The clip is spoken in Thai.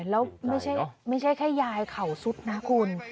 แล้วไม่ใช่แค่ยายเข่าสุดนะคุณ